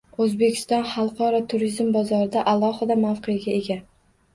O‘zbekiston xalqaro turizm bozorida alohida mavqega ega